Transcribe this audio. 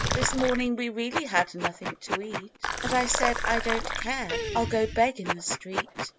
This morning we really had nothing to eat, And I said, I don't care ! I'll go beg in the street